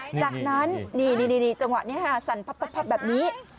จากนั้นนี่จังหวะนี้สั่นพับแบบนี้